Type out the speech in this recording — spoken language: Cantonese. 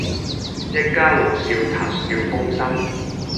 一家老少談笑風生